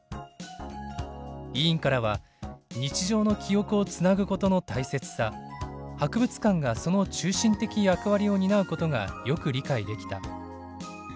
委員からは「日常の記憶をつなぐことの大切さ博物館がその中心的役割を担うことがよく理解できた」。